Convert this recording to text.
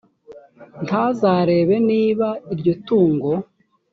ntazarebe niba iryo tungo